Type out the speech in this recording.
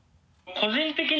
個人的に？